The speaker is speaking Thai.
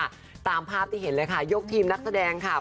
ตามภาพที่เห็นเลยค่ะยกทีมนักแสดงค่ะ